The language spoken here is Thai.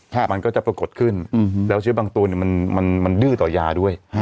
มันก็จะปรากฏขึ้นอืมแล้วเชื้อบางตัวเนี้ยมันมันดื้อต่อยาด้วย